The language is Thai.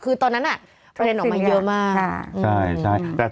คือตอนนั้นประเด็นออกมาเยอะมาก